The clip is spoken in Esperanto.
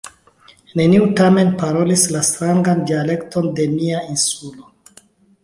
Neniu tamen parolis la strangan dialekton de mia Insulo.